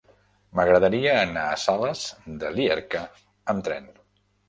M'agradaria anar a Sales de Llierca amb tren.